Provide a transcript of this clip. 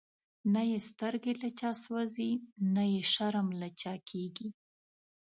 نه یی سترګی له چا سوځی، نه یی شرم له چا کیږی